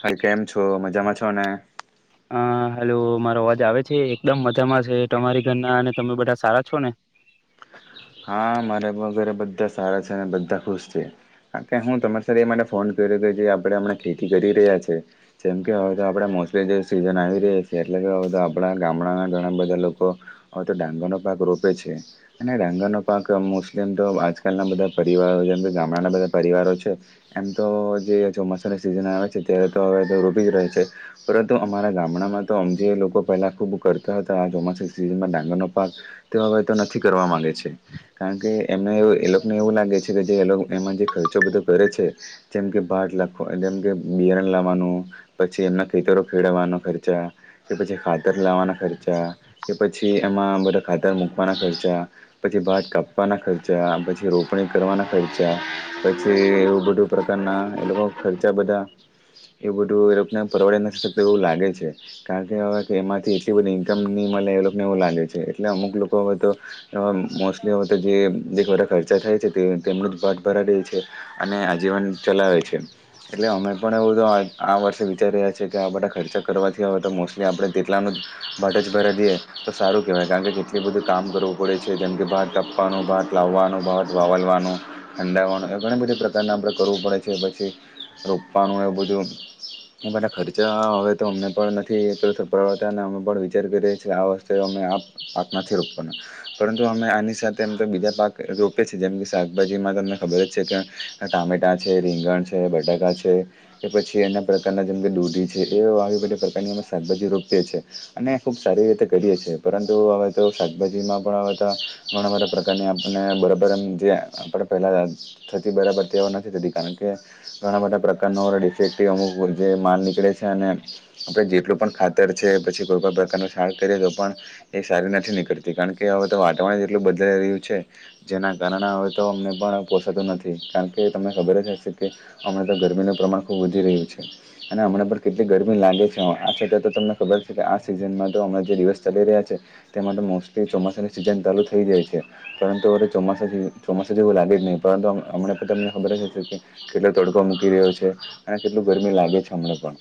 હવે કેમ છો મજામાં છો ને? તમારો અવાજ આવે છે એકદમ મજામાં છે તમારી ઘરના અને તમે બધા સારા છો ને? હા મારા વગરે બધા સારા છે અને બધા ખુશ છે, હું તમારી ફોન કર્યો કે જે આપણે હમણાં ખેતી કરી રહ્યા છે, જેમ કે હવે તો આપણે મોસલીી જે સિઝન આવી રહ્યા છે એટલે કે આપણા ગામડાના ઘણા બધા લોકો, હવે તો ડાંગરનોો પાક રોપે છે, અને ડાંગરનો પાક મોસ્ટલી એમ તો આજકાલના બધા પરિવારો જેમ કે ગામડાના બધા પરિવારો છે, એમ તો જે ચોમાસા સિઝન આવે છે ત્યારે તો હવે રૂબી જ રહે છે, પરંતુ અમારા ગામડામાં તો જે લોકો પહેલા ખુબ કરતા હતા આ ચોમાસા સિઝનમાં ડાંગરનો, પાક તેવા હોય તો નથી કરવા માંગે છે. [unintelligible] કારણ કે એમને એ લોકોને એવું લાગે છે કે જે એમાં જે ખર્ચો બધો કરે છે. જેમ કે બાર લ જેમ કે બિયારણ લાવવાનું, પછી એમના ખેતરો ખેડવવાનો ખર્ચા કે પછી ખા તર લાવવાના ખર્ચા. કે પછી એમાં બધા ખાતર મુકવાના ખર્ચા પછી ભાત કાપવાના ખર્ચા, પછી રોપણી કરવાના ખર્ચા, પછી અ એવું બધું પ્રકારના ના એ લોકો ખર્ચા બધા એવું બધું એ પરવડે ના એવું લાગે છે. કારણ કે એમાંથી એટલી બધી ઇનકમ ની મળે એ લોકોને એવું લાગે છે. એટલે અમુક લોકો હવે તો આમ મોસ્ટલી હવે તો જે બધા ખર્ચા થાય છે. તે તેમનું જ પાટ ભરા દે છે. અને આજીવન ચલાવે છે. એટલે અમે પણ એવું આ વર્ષે વિચારી રહ્યા છે, કે આ બધા ખર્ચા કરવાથી તો મો તલે આપણે તેટલામાં ભટજ ભરા દઈએ તો સારું કહેવાય. કારણકે કેટલું બધું કામ કરવું પડે છે. જેમ કે ભાત કપવાનું, ભાત લાવવાનું, ભાત વાવલવાનું, હંડાવવાનું આ ઘણી બધી પ્રકારના આપડે કરવું પડે છે. પછી રોપવાનું એ બધું આટલા બધા ખર્ચા હવે તો અમને પણ નથી [unintelligible] વિચાર કરીએીએ આ છે પાક પાક નથી રોકવાના પરંતુ અમે આની સાથે એમ તો બીજા પાક રોપેએ છીએ. જેમ કે શાકભાજીમાં તમને ખબર જ છે કે ટમેટા છે, રીંગણ છે, બટાકા છે કે પછી અન્ય પ્રકારના જેમ કે દૂધી છે. એ આવી પ્રકારની મે શાકભાજી રોપીએ છીએ. અને ખુબ સારી રીતે કરીએ છીએ. પરંતુ હવે તો શાકભાજીમાં ઘણા બધા ઘણા બધા પ્રકારની આપને બરાબર એમ જે આપણે પહેલા થતી બરાબર [unintelligible] કારણ કે ઘણા બધા પ્રકારનો ડિફેક્ટીવ અમુક જે માલ નીકળે છે અને આપણે જેટલું પણ ખાતર છે. પછી કોઈ પણ પ્રકાર ન છાણ કરીએ તો પણ એ સારી નથી નીકળતી. કારણ કે હવે તો વાતાવરણ જેટલું બદલાઈ રહ્યું છે. જેના કારણે હવે તો અમને પણ પોસાતું નથી. કારણ કે તો તમને ખબર જ હશે કે હમણા તો ગરમીનું પ્રમાણ ખુબ વધી રહ્યું છે. અને હમણા પણ કેટલી ગરમી લાગે આ છતા તો તમને ખબર છે કે આ સિઝનમાં તો અણા જે દિવસ ચાલી રહ્યા છે. તેમાં તો મોસ્ટલી તે ચોમાસાની સિઝન ચાલુ થઈ જાય છે. પરંતુ હવે ચોમાસાથી ચોમાસા જેવું લાગે જ નહીં. પરંતુ હમણાં તમને ખબર જ હશે કે કેટલો તડકો મૂકી રહ્યો છે. અને કેટલું ગરમી લાગે છે હમણાં પણ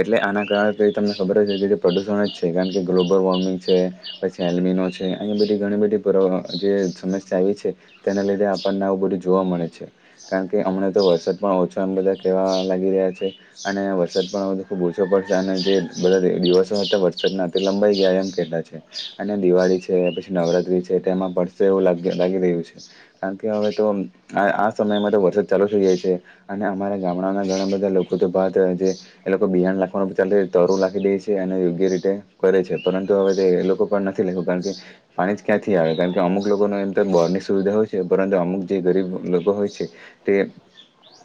એટલે આના કારણે તો તમને ખબર જ છે કે જે પ્રદુષણ જ છે. કારણ કે ગ્લોબલ વોર્મિંગ છે. પછી એલ્મીનો છે. અંયા બધી ઘણી બધી જે અ સમસ્યા આવી છે, તેના લીધે આપણના બધું જોવા મળે છે. કારણ કે હમણા તો વરસાદ પણ ઓછો એમ બધા કેવા લાગી રહ્યા છે. અને વરસાદ પણ હ તો ખુબ ઓછો પડશે. અને જે બધા દિવસો હતા વરસાદના તે લંબાઈ ગયા એમ કહેતા છે. અને દિવાળી છે. પછી નવરાત્રી છે. તેમાં પડશે એવું લાગી રહ્યું છે. કારણ કે હવે તો પણ આ આ સમયમાં તો વરસાદ ચાલુ થઈ જાય છે. અને અમારા ગામડાના ઘણા બધા લોકો તો ભાત રાધે એ લોકો બીજાને રાખવાનું [unintelligible] રાખી દે છે અને યોગ્ય રીતે કરે છે પરંતુ હવે લોકો તો પણ નથી લેવુ કારણ કે પાણી જ ક્યાંથી આવે? અમુક લોકો ના કારણ કે અમુક લોકો એમ તો બોર ની સુવિધા હોય છે. પરંતુ અમુક જે ગરીબ લોકો હોય છે તે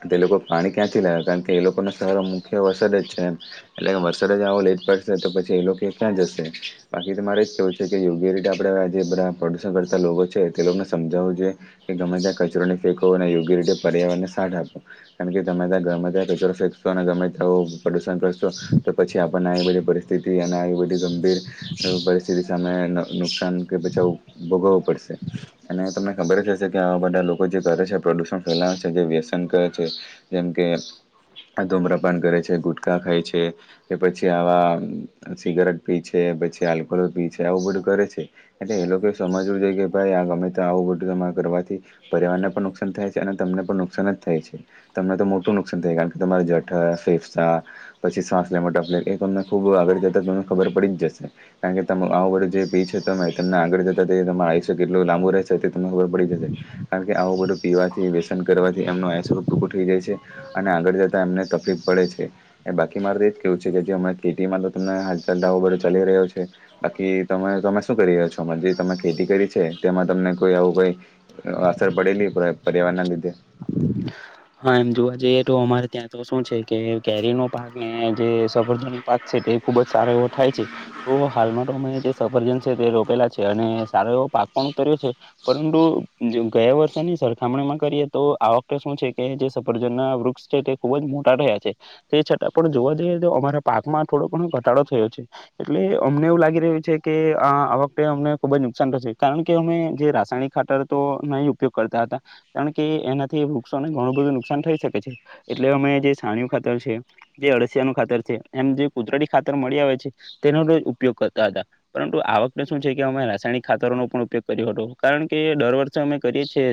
તે એ લોકો પાણી ક્યાંથી લાવ કારણ કે એ લોકોનો સવારો મુખ્ય વરસાદ જ છે. એમ એટલે વરસાદ જ આવો લ પડશે તો પછી એ લોકો ક્યાં જશે? બાકી તમારે કેવું છે કે યોગ્ય રીતે આપડે જે બધા પ્રદુર્શન કરતા લોકો છે. તે લોકોને સમજાવવું જોઈયે કે ગમે ત્યાં કચ ચરો નહી ફેંકો અને યોગ્ય રીતે પર્યાવર ને સાથ આપો. કારણ કે તમે ત્યાં ગમે ત્યાં કચરો ફેકશો અને ગમે તો પરેશાન કર તો પછી આપણને આવી બધી પરિસ્થિતિ અને આવી બધી ગંભીર અ પરી એવી સામે નુકસાન કે બચાવ ભોગવવો પડશે. અને તમને ખબર જ હશે કે આવા બાધા લોકો જે કરે છે પ્રદૂષણ ફેલાવે છે. જે વ્યસન કરે છે. જેમકે- ધૂમરાપાન કરે છે, ગુટખા ખાય છે, કે પછી આવા સિગારેટ પી છે. પછી આલ પી છે આવું બધું કરે છે. એટલે એ લોકો સમજવું જોઈ કે, ભાઈ આ ગમે તો આવું બધું કરવાથી પરિવારને પણ નુકસાન થાય છે. અને તમને પણ નુકસાન જ થાય છે. તમને તો મોટું નુકસાન થાય કારણ કે તમારે જઠર ફેફસા પછી સાસલેવા મા તકલીફ એ તમને ખુબ આગળ જતા તમને ખબર પડી જ જશે કારણ કે તમો આવો જે પી છે, તમે તમને આગળ જતાં તે તમારે આયુશ્ય કેટલો લાંબો રહેશે એ તે તમને ખબર પડી જશે. કારણ કે આવું બધું પીવાથી, વ્યસન કરવાથી, એમનો આયુષ્ય ટૂંકું થઈ જાય છે. અને આગળ જતા એમને તકલીફ પડે છે. એ બાકી મારું એ જ કેવું છે, કે જે અમે કેટીમાં તો તમને હાલચાલ દાવો બડો ચાલી રહ્યો છે. બાકી તમે તમે શું કરી રહ્યા છો? જે તમે ખેતી કરી છે તેમાં તમને કોઈ આવું કઈ અસર પડેલી પર્યાવારના લીધે. હા એમ જોવા જઈએ તો અમારે ત્યાં તો શું છે કે કેરી નો પાક ને જે સફરજ નો પાક છે. તે ખુબ જ સારો એવો થાય છે. તો હાલમાં તો અમે જે સફરજન છે. તે રોપેલા છે અને સારો એવો પાક પણ ઉતર્યો છે પરંતુ ગયા વર્ષેની સરખામણીમાં કરીએ તો આ વખતે શું છે એ જે સફરજન ના વૃક્ષ છે તે ખુબ જ મોટા રહ્યા છે તે છતાં પણ જોવા જઈએ તો અમારા પાકમાં થો ડોક તો પણ ઘટાડો થયો છે એટલે અમને એવું લાગી રહ્યું છે કે આ આ વખતે અમને ખુબ જ નુકસાન થશે કારણ કે અમે જે રાસાયણિક ખાતર તો નહીં ઉપયોગ કરતા હતા કારણ કે એનાથી વૃક્ષ તમે ગણું બધું નુકસાન થઈ શકે છે એટલે અમે જે સાણયું ખાતર છે જે અળસિયા નું ખાતર છે એમ જે કુદરતી ખાતર મળી આવે છે તેનો ઉપયોગ કરતા હતા પરંતુ આ વખતે શું છે કે અમે રાસાયણિક ખાતર ખાતરો નો પણ ઉપયોગ કર્યો હતો કારણ કે દર વર્ષે અમે કરીએ છીએ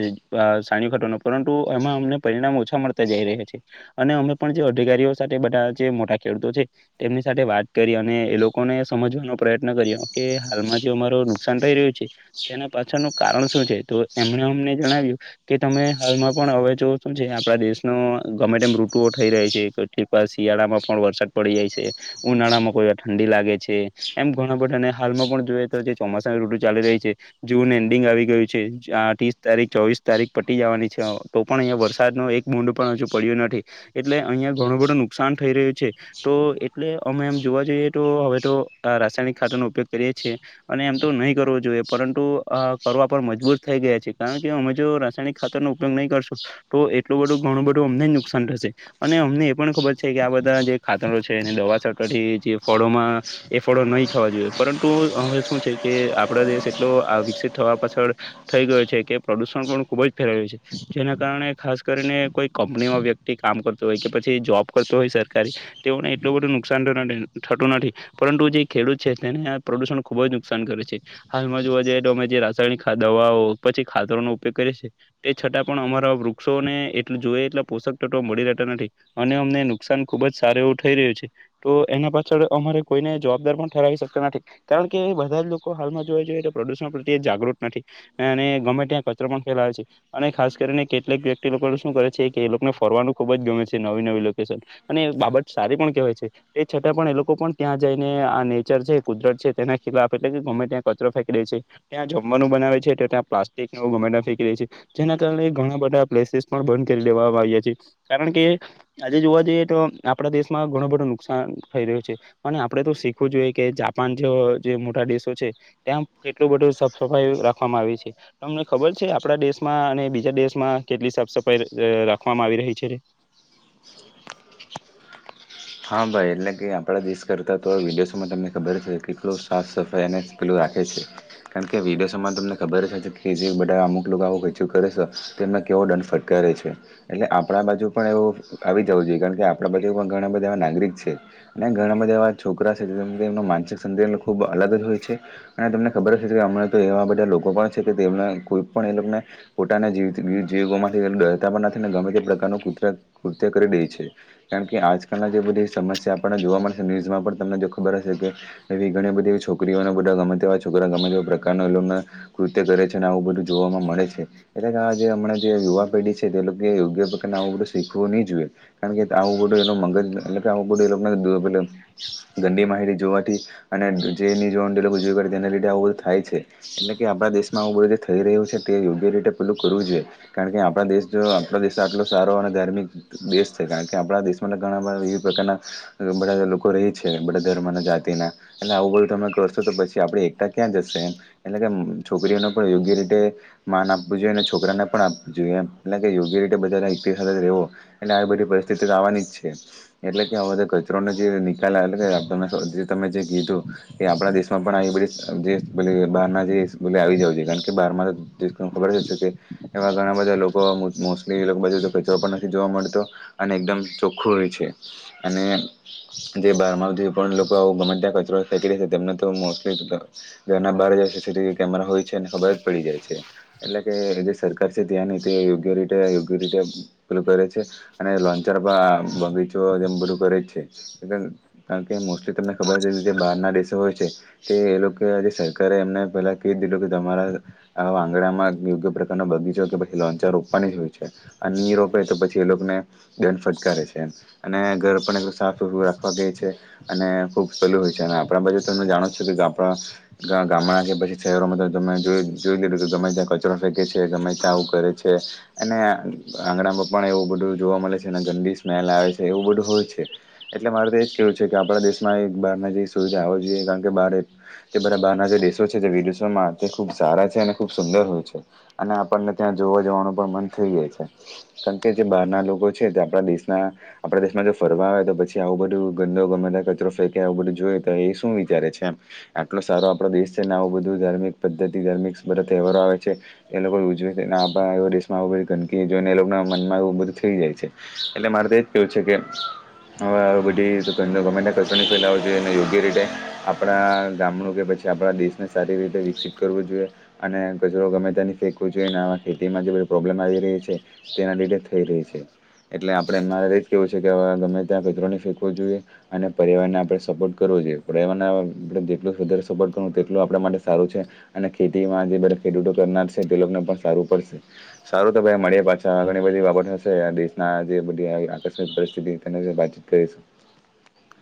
સાની ખટનો પરંતુ એમાં અમને પરિણામ ઓછા મળતા જઈ રહ્યા છે અને અમે પણ જે અધિકારીઓ સાથે બધા જે મોટા ખેડૂતો છે. તેમની સાથે વાત કરી અને એ લોકોને સમજવાનો પ્રયત્ન કરીયો કે હાલમાં જે અમારો નુકસાન થઈ રયુ છે. તેના પાછળ કારણ શું છે? તો એમને અમને જણાવ્યું કે તમે હાલમાં પણ હવે જો શું છે આપડા દેશનો ગમે તેમમ ઋતુઓ થઈ રહી છે કેક શિયાળામાં પણ વરસાદ પડી જાય છે, ઉનાળામાં કોઈ ઠંડી લાગે છે. એમ ઘણા બધા હાલમાં પણ જોઈએ તો ચોમાસા ઋતુ ચાલી રહી છે. જૂન એન્ડિંગ આવી ગયું છે. આ ત્રીસ તારીખ ચોવીસ તારીખ પટી જવાની છે. તો પણ અહીયાં વરસાદ નો બુદ પણ હજુ પડ્યુ નથી એટલે અહિયા ઘણું બધું નુકસાન થઈ રહ્યું છે. તો તો એટલે એમે એમ જોવા જોઈએ તો હવે તો રાસાયણિક ખાતર નો ઉપયોગ કરીએ છીએ અને એમ તો નહી કરવો જોઈએ પરંતુ કરવા પર મજબૂર થઈ ગયા છે કારણ કે અમે જો રાસાયણિક ખાતર નો ઉપયોગ નહીં કરશું તો એટલું બધું ઘણું બધું અમને જ નુકસાન થશે અને અમને એ પણ ખબર છે કે આ બધા જે ખાતરો છે દવા જે ફળોમાં એ ફળો નહી ખાવા જોઈએ પરંતુ હવે શું છે કે આપડા દેશ એટલો વિકસિત થવા પાછળ થઈ ગયો છે કે પ્રદુષણ પણ ખુબ જ ફેલાયું છે જેના કારણે ખાસ કરીને કોઈ કંપનીમાં વ્યક્તિ કામ કરતો હોય કે પછી જોબ કરતો હોય સરકારી એટલું બધું નુકાન થતું નથી પરંતુ જે ખેડૂત છે. તેને આ પ્રદુષણ ખુબ જ નુકસાન કરે છે હાલમાં જોવા જઈએ તો અમે જે રાસાયણિક દવાઓ પછી ખાતરો નો ઉપયોગ કરીએ છી તે છતા પણ અમારા વૃક્ષોને એટ જોઈ એટ પોષક તત્વો મળી રહેતા નથી અને અમને નુકસાન ખુબ જ સાર થ રહ છે. તો એના પાછળ અમારે કોઈને જવાબદાર પણ ઠરાવી શકતા નથી કારણ કે બધા લોકો હાલમાં જોઈએ તો પ્રદુષણ પ્રત્ય જાગૃત નથી અને અને ગમેત્ય ત્યાં કચરો પણ ફેલાવે છે અને ખાસ કેટક વ્યક્તિને શું કરે છે કે એ લોકોને ફરવાનું ખુબ જ ગમે છે નવી નવીકેશન અને બાબત ત પણ કવાય છે. એ છતાં પણ એ લોકો પણ ત્યાં જઈને આ નેચર છે કુદરત છે. તેના ખિલાફ એટલે કે કચરો ફેકી છે. ત્યાં જમવાનું બનાવે છે ત્યા પ્લાસ્ટિક ગમે ફેકી છે જે ઘણા બધા પ્લેસીસ પણ બંધ કરી દેવામાં આવ્યા છે કારણ કે આજે જોવા જઈએ તો આપણા દેશમાં ઘણો બધો નુકસાન થઈ રહ્યું છે અને આપડે તો શીખવું જોઈએ કે જાપાન જે જે મોટા દેશ ત્યાં એટલું બધું સાફ સફાઈ રાખવામાં આવી છે. તમને ખબર છે આપડા દેશમાં અને બીજા દેશમાં કેટલી સાફ સફાઈ રાખવામાં આવી રહી છે? [unintelligible] હા ભાઈ એટલે કે આપણા દેશ કરતા તો વિદેશમાં તમને ખબર છે કેટલું સાફ સફાઈ અને પેલું કારણ કે વિદેશોમાં તમને ખબર કે જે બધા અમુક લોકો આવો કચું કરે છે. તેમને કેવો દંડ ફટકારે છે. એટલે આપણા બાજુ પણ એવું આવી જવું જોઈએ કારણ કે આપણા બાજુ પણ ઘણા બધા નાગરિક છે અને ઘણા બધા એવા છોકરા છે એનું માનસિક સંતુલ ખુબ અલગ જ હોય છે અને તમને ખબર છે કે હમણાં તો એવા બધા લોકો પણ છે કે તેમને કોઈ પણ એ લોકોને પોતાના જી જીવો માટે ડરતા પણ નથીને ગમે તે પ્રકારનું કૃત્ય કરી દે છે કારણ કે આજ જે બધી સમસ્યા આપણને જોવા મળશે ન્યુઝમાં પણ તમને જો ખબર હશે કે એવી ઘણી બધી એવી છોકરીઓ બધા ગમેવા છોકરા ગમે એવા પ્રકાર ન લો કૃત્ય કરે છે અને આવું બધું જોવાવામાં મળે છે એટલે કે આજે હમણા જે યુવા પેઢી છે. તે લોકો યોગ્ય પ્રકાર આવું બધું શીખવું નહી જોઈએ કારણ કે આવું બધું એનો મગજ એટલે કે આવું બાદુ ગંદી માહિતી જોવાથી અને જે ની જોવાનું [inaudible] આવું બધું થાય છે એટલે કે આપણા દેશમાં આવું બધું જે થઈ રહ્યું છે. તે યોગ્ય રીતે પેલું કરવું જોઈએ કારણ કે આપણા દેશ આપણા દેશ આટલો સારો અને ધાર્મિક દેશ છે કારણ કે આપણા દેશમાં ઘણા બધા વિવિધ પ્રકારના બધા લોકો રહી છે. બધા ધર્મ ના જાતિના એટલે આવું બધું તમે કરશો તો પછી આપડે એકતા ક્યાં જશે એમ. એટલે કે છોકરીઓને પણ યોગ્ય રીતે માન આપવું જોઈએને છોક નેપણ આપ જોએ એમ કે યોગ્ય રીતે બધા [unintelligible] રહેવો એ આ આવી બધી પરિસ્થિતિ તો આવાનીજ છે. એટલે કે આમારા કચરો ન જે નિકાલ આવે [unintelligible] તમે જે કીધું કે, આપણા દેશમાં પણ આ બધી જે બલે બહારના જે બ આવી જાવુ જોઈએ. કારણ કે બહારમાં [unintelligible] ખબરજ છેકે એવા ઘણા બધા લોકો મો મોસ્ટલિ [unintelligible] જોવા મળતો અને એકદમ ખોરે છે. અને જે બહારમાં આવતી પણ લોકો આવું ગમત્યા કચરો ફેકી રહે છે તેમને તો મોસ્ટલી ઘરના બહ જ સીસીટીવી કેમેરા હોય છે અનેને ખબર જ પડી જાય છે. એટલે કે જે સરકાર છે ત્યાંની તે યોગ્ય રીતે યોગ્ય રીતે પેલૂ કરે છે. અને લોનચાર બગીચો જેમ બરું કરેજ છે. [unintelligible] કારણ કે મોસ્ટલી તમને ખબર કે જે બહારના દેશો હોય છે તે એ લોકો આજે સરકારે એમને પેલા ક દીધું, કે તમારા આંગડામાં યોગ્ય પ્રકાર બગીચો કે પછી લોંનચર રોપવાની જ હોય છે. અને ની રોપે તો પછી એ લોકોને ધ્યાન ફટકારે છે. અને ઘર પણ સાફ સુંતરૂં રાખવા કે છે. અને ખુબ સેલું હોય છે. અને આપણા બાજુ તમે જાણોજે છો કે આપડા ગા ગામડા કે પછી શહેરોમાં તમે જોઈ જોઈ લીધું કે ગમે ત્યાં કચરો ફેંકે છે ગમેતા આવું કરે છે. અને આ આંગણામાં પણ એવું બધું જોવા મળે છે. અને ગંદી સ્મેલ આવે છે. એવું બધું હોય છે. એટલે મારે તો એજ કેવું છે કે આપણા દેશમાં એક બાર જેવી સુવિધા હોવી જોઈએ કારણ કે બાર તે બધા બહારના જે દેશો છે જે વિદેશોમાં તે ખુબ સારા છે. અને ખુબ સુંદર હોય છે. અને આપણને ત્યાં જોવા જવાનું પણ મન થઈ જાય છે. કારણ કે જે બહાર ના લોકો છે તે આપડા દેશ ના આપડા દેશમાં જો ફરવા આવે તો પછી આવું બધું ગંદો ગમેતા કચરો ફેંકે આવું બધું જોઈ તો એ શું વિ ચારે છે એમ. આટલો સારો આપડો દેશ છે. ને આવું બધું ધાર્મિક પદ્ધતિ ધાર્મિક તહેવારો આવે છે. એ લોકો ઉજવે છે. ને આપડા એ દેશ માં આવી બધી ગંદકી જોને એ લોકો ના મનમાં એવું બધું થઈ જાય છે. એટલે મારે એજ કેવું છે કે હવે આવી બધી ગમેતે ત્યા કચરો ન ફેલાવો જોઈએ. યોગ્ય રીતે આપણા ગામડું કે પછી આપણા દેશને સારી રીતે વિકસિત કરવું જોઈએ. અને કચરો ગમે ત્યાં ની ફેંકવો જોઈએ. અને આવા ખેતીમાં જ પ્રોબ્લેમ આવી રહી છે. તેના લીધે થઈ રહી છે. એટલે આપણે એ મારે જ કેવું છે કે હવે ગમે ત્યાં કચરોને ફેંકવો જોઈએ. અને પરિવારને આપણે સપોર્ટ કરવો જોઈ [unintelligible] જેટલો વધારે સપોર્ટ કરું તેટલુ આપણા માટે સારું છે. અને ખેતીમાં જે બધા ખેડૂતો [unintelligible] તે લોકોને પણ સારું પડશે સારું તો ભાઈ મળી પાછા ઘણી બધી બાબતશે આ દેશ ના જે બધી આ આકસ્મિક પરિસ્થિતિ તેના વિષે વાતચીત કરીશું.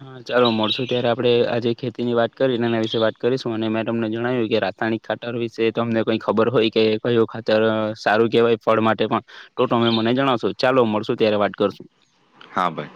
હા ચાલો મળશું ત્યારે આપડણે આજે ખેતી ની વાત કરી એના વિશે વાત કરીશું. અને મેં તમને જણાવ્યું કે રાતના યણિક ખાતર વિશે તમને કઈ ખબર હોય કે કયો ખાતર સારું કેવાય ફળ માટે પણ તો તમે મને જણાવશો. ચાલો મળશું ત્યારે વાત કરશું. હા ભાઈ.